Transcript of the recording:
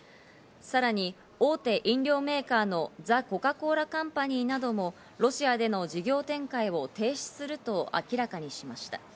さらに大手飲料メーカーのだ「ザコカ・コーラカンパニー」などもロシアでの事業展開を停止すると明らかにしました。